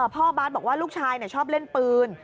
บาสบอกว่าลูกชายชอบเล่นปืน